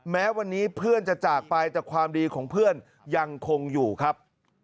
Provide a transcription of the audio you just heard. แม้วันนี้เพื่อนจะจากไปแต่ความดีของเพื่อนยังคงอยู่ครับ